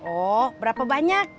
oh berapa banyak